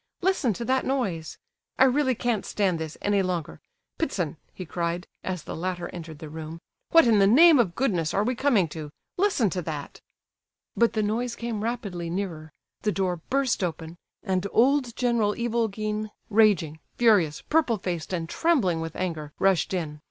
Listen to that noise! I really can't stand this any longer. Ptitsin!" he cried, as the latter entered the room, "what in the name of goodness are we coming to? Listen to that—" But the noise came rapidly nearer, the door burst open, and old General Ivolgin, raging, furious, purple faced, and trembling with anger, rushed in.